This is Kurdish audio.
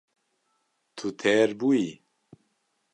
Tu têr bûyî?